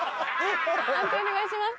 判定お願いします。